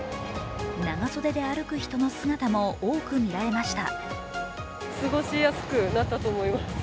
長袖で歩く人の姿も多くみられました。